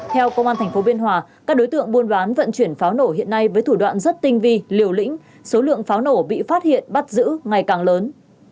theo công an tp biên hòa các đối tượng buôn bán vận chuyển pháo nổ hiện nay với thủ đoạn rất tinh vi liều lĩnh số lượng pháo nổ bị phát hiện bắt giữ ngày càng lớn